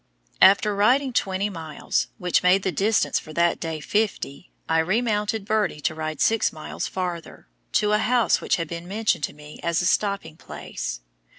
After riding twenty miles, which made the distance for that day fifty, I remounted Birdie to ride six miles farther, to a house which had been mentioned to me as a stopping place.